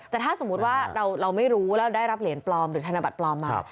แต่ถ้าสมมุติว่าเราไม่รู้แล้วเราได้รับเหรียญปลอมหรือธนบัตรปลอมมา